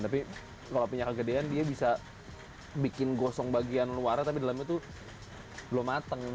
tapi kalau punya kegedean dia bisa bikin gosong bagian luarnya tapi dalamnya tuh belum mateng